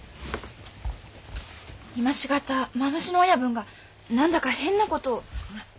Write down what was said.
今しがた蝮の親分が何だか変な事を。